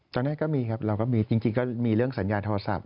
ตอนนี้ก็มีครับเราก็มีจริงก็มีเรื่องสัญญาโทรศัพท